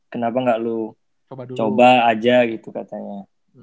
kenapa gak lu coba aja gitu katanya